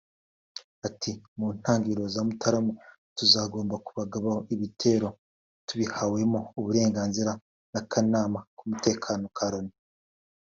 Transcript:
Ati” Mu ntangiriro za Mutarama tuzagomba kubagabaho ibitero tubihawemo uburenganzira n’Akanama k’Umutekano ka Loni